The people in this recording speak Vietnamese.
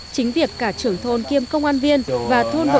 chính việc cả trưởng thôn kiêm công an viên và thôn bộ